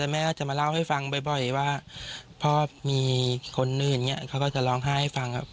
แม่จะมาเล่าให้ฟังบ่อยว่าพ่อมีคนนึงอย่างนี้เขาก็จะร้องไห้ให้ฟังครับ